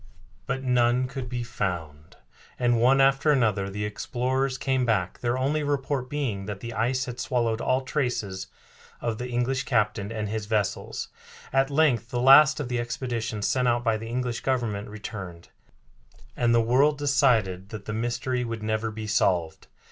But none could be found, and one after another the explorers came back, their only report being that the ice had swallowed all traces of the English captain and his vessels. At length the last of the expeditions sent out by the English Government returned, and the world decided that the mystery would never be solved.